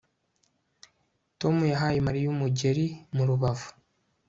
Tom yahaye Mariya umugeri mu rubavu